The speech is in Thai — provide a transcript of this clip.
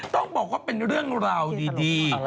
ต้องบอกว่าเป็นเรื่องราวดี